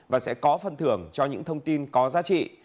và sẽ có phần thưởng cho những thông tin có giá trị